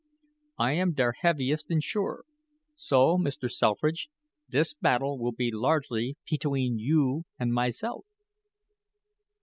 "I am der heaviest insurer; so Mr. Selfridge, this battle will be largely petween you and myself."